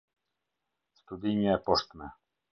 Studimja e Poshtme